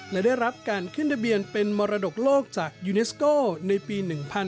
และได้รับการขึ้นทะเบียนเป็นมรดกโลกจากยูเนสโก้ในปี๑๕